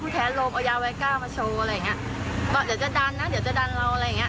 จะยืนยันว่าเป็น